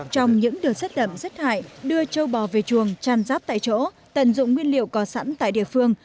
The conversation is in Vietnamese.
trong những đường xét đậm xét hại đưa châu bò về chuồng chăn rắp tại chỗ tận dụng nguyên liệu có sẵn tại địa phương